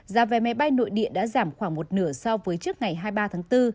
giá vé máy bay nội địa đã giảm khoảng một nửa so với trước ngày hai mươi ba tháng bốn